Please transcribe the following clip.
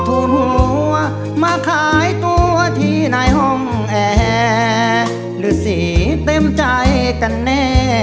ทูลหัวมาขายตัวที่ในห้องแอร์หรือสีเต็มใจกันแน่